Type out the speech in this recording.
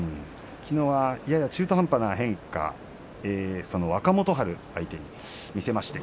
きのうは、やや中途半端な変化を若元春相手に見せました。